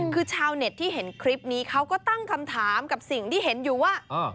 คือชาวเน็ตที่เห็นคลิปนี้เขาก็ตั้งคำถามกับสิ่งที่เห็นอยู่ว่า